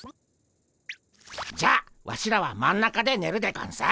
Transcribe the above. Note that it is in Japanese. じゃあワシらは真ん中でねるでゴンス。